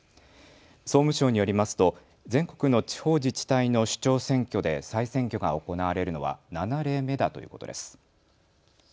総務省によりますと全国の地方自治体の首長選挙で再選挙が行われるのは７例目だということです。